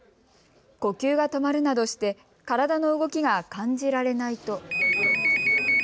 呼吸が止まるなどして体の動きが感じられないと。